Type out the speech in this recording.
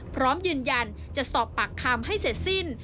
พร้อมยืนยันจะสอบปากคำให้เสร็จสิ้น